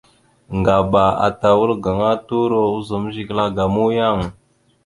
Ŋgaba ata wal gaŋa turo ozum zigəla ga muyang.